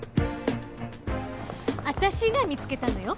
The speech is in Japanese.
私が見つけたのよ。